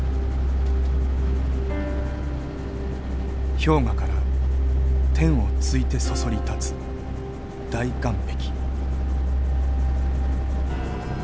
氷河から天をついてそそり立つ大岩壁。